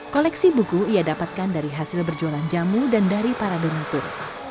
koleksi buku ia dapatkan dari hasil berjualan jamu dan dari para donatur